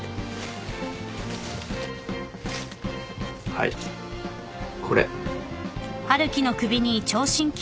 はいこれ。